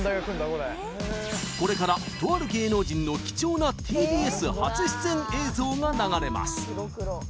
これこれからとある芸能人の貴重なＴＢＳ初出演映像が流れます